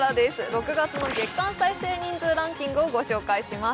６月の月間再生人気ランキングをご紹介します。